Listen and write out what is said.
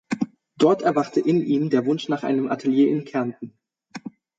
Dort erwachte in ihm der Wunsch nach einem Atelier in Kärnten.